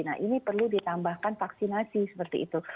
nah ini perlu ditambahkan vaksinasi seperti itu